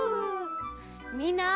みんな。